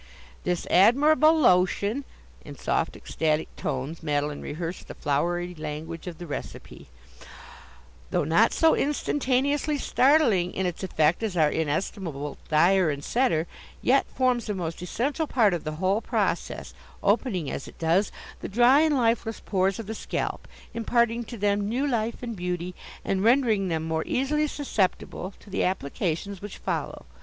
"This admirable lotion" in soft ecstatic tones Madeline rehearsed the flowery language of the recipe "though not so instantaneously startling in its effect as our inestimable dyer and setter, yet forms a most essential part of the whole process, opening, as it does, the dry and lifeless pores of the scalp, imparting to them new life and beauty, and rendering them more easily susceptible to the applications which follow.